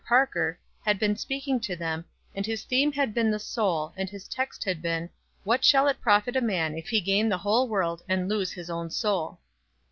Parker, had been speaking to them, and his theme had been the soul, and his text had been: "What shall it profit a man if he gain the whole world and lose his own soul?"